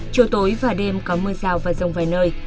chiều tối và đêm có mưa rào và rông vài nơi